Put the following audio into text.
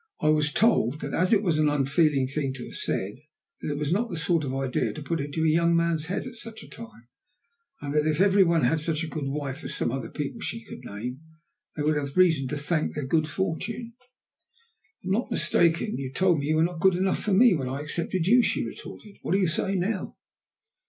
I was told that it was an unfeeling thing to have said, that it was not the sort of idea to put into a young man's head at such a time, and that if every one had such a good wife as some other people she could name, they would have reason to thank their good fortune. "If I am not mistaken, you told me you were not good enough for me when I accepted you," she retorted. "What do you say now?"